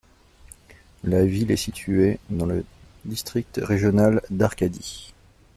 La ville est située dans le district régional d'Arcadie.